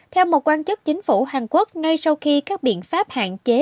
theo một quan chức chính phủ hàn quốc ngay sau khi các biện pháp hạn chế